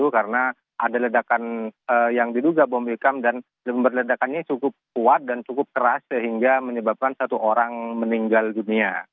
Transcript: karena ada ledakan yang diduga bom bekam dan lembar ledakannya cukup kuat dan cukup keras sehingga menyebabkan satu orang meninggal dunia